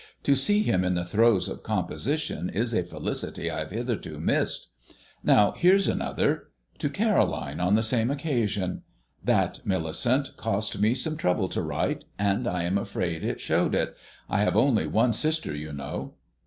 "To see him in the throes of composition is a felicity I have hitherto missed. Now here's another: to Caroline, on the same occasion. That, Millicent, cost me some trouble to write, and I am afraid it showed it I have only one sister, you know.